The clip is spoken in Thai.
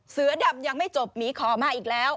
เสือดำยังไม่จบหมีขอมาอีกแล้ว